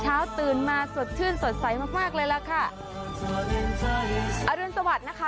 เช้าตื่นมาสดชื่นสดใสมากมากเลยล่ะค่ะอรุณสวัสดิ์นะคะ